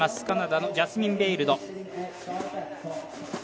カナダのジャスミン・ベイルド。